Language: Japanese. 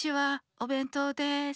おべんとうです。